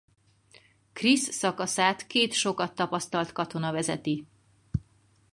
Chris szakaszát két sokat tapasztalt katona vezeti.